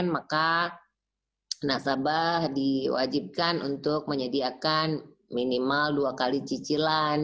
maka nasabah diwajibkan untuk menyediakan minimal dua kali cicilan